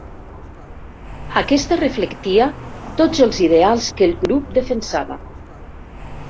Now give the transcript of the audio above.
Aquesta reflectia tots els ideals que el grup defensava.